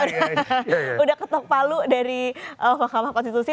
sudah ketok palu dari mahkamah konstitusi